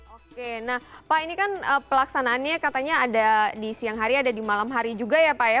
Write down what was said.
oke nah pak ini kan pelaksanaannya katanya ada di siang hari ada di malam hari juga ya pak ya